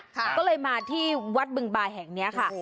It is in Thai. ก็เลยมาที่วัดบึงบายแห่งนี้ค่ะ